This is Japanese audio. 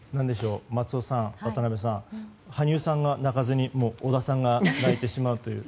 松尾さん、渡辺さん羽生さんが泣かずに織田さんが泣いてしまうという。